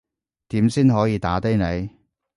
點先可以打低你